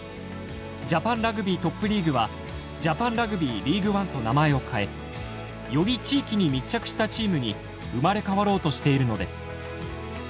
ジャパンラグビートップリーグはジャパンラグビーリーグワンと名前を変えより地域に密着したチームに生まれ変わろうとしているのです。